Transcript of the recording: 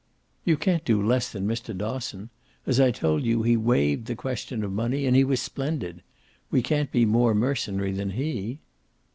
"You can't do less than Mr. Dosson. As I told you, he waived the question of money and he was splendid. We can't be more mercenary than he."